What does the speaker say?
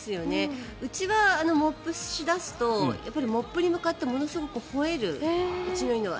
うちはモップし出すとモップに向かってものすごくほえる、うちの犬は。